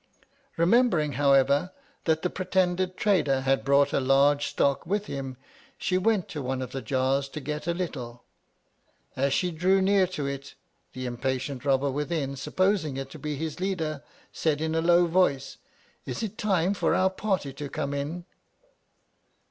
Bemembering however, that the pretended trader had brought a large stock with him, she went to one of the jars to get a little. As she drew near to it, the impatient robber within, supposing it to be his leader, said in a low voice, — Is it time for our party to come in